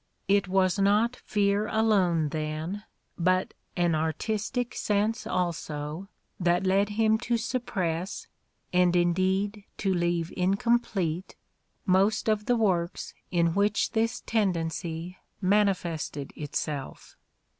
It was not fear alone then, but an Let Somebody Else Begin 245 artistic sense also that led him to suppress, and indeed to leave incomplete, most of the works in which this tendency manifested itself.